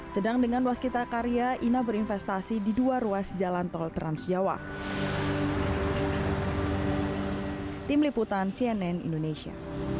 sedang dengan ruas kita karya ina berinvestasi di dua ruas jalan tol trans jawa